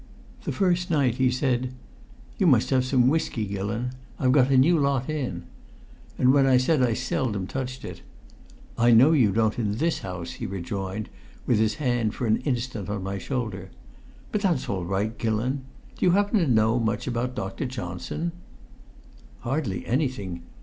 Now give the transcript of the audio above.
The first night he said: "You must have some whisky, Gillon. I've got a new lot in." And when I said I seldom touched it "I know you don't, in this house," he rejoined, with his hand for an instant on my shoulder. "But that's all right, Gillon! Do you happen to know much about Dr. Johnson?" "Hardly anything.